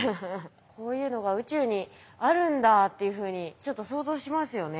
こういうのが宇宙にあるんだっていうふうにちょっと想像しますよね。